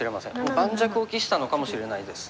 もう盤石を期したのかもしれないです。